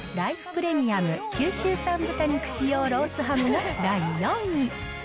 プレミアム九州産豚肉使用ロースハムが第４位。